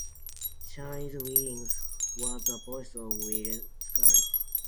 Chris Wiggins was the voice of Will Scarlet.